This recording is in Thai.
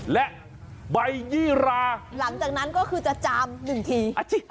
และใบยี่ราหลังจากนั้นก็คือจะจามหนึ่งที